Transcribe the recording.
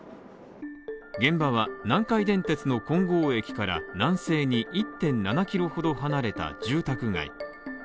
現場は南海電鉄の金剛駅から南西に１．７キロほど離れた住宅街。